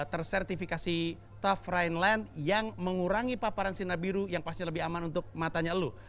tersertifikasi tough rineline yang mengurangi paparan sinar biru yang pasti lebih aman untuk matanya lu